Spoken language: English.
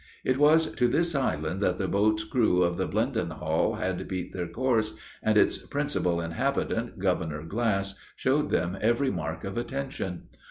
It was to this island that the boat's crew of the Blendenhall had beat their course, and its principal inhabitant, Governor Glass, showed them every mark of attention.